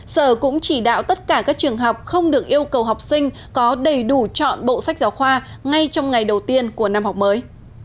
sở cũng chỉ đạo tất cả các trường học không được yêu cầu học sinh có đầy đủ chọn bộ sách giáo khoa ngay trong ngày đầu tiên của năm học mới